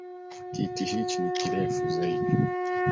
Kiti hichi ni kerufu zaidi